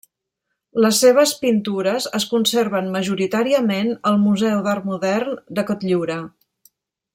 Les seves pintures es conserven majoritàriament al Museu d'Art Modern de Cotlliure.